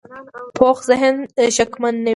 پوخ ذهن شکمن نه وي